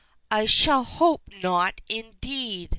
"I should hope not, indeed!"